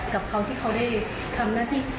กับเขาที่เขาได้ทำหน้าที่